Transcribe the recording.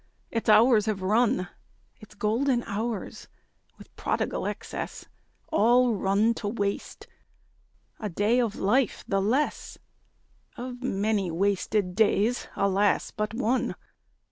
Its hours have run, Its golden hours, with prodigal excess, All run to waste. A day of life the less; Of many wasted days, alas, but one!